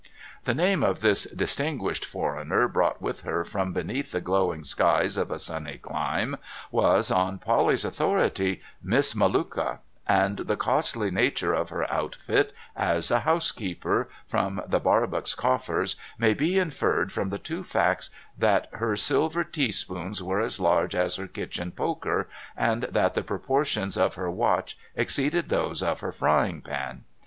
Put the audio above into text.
The name this distinguished foreigner brought with her from beneath the glowing skies of a sunny clime was (on Polly's authority) Miss Melluka, and the costly nature of her outfit as a housekeeper, from the Barbox coffers, may be inferred from the two facts that her silver tea spoons were as large as her kitchen poker, and that the proportions of her watch exceeded those of her frying pan.